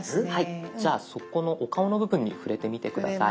じゃあそこのお顔の部分に触れてみて下さい。